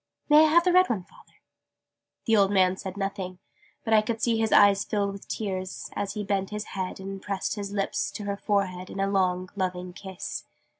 May I have the red one, Father?" The old man said nothing: but I could see his eyes fill with tears, as he bent his head and pressed his lips to her forehead in a long loving kiss.